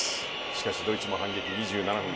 しかし、ドイツも反撃２７分。